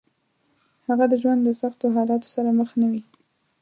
هغه د ژوند له سختو حالاتو سره مخ نه وي.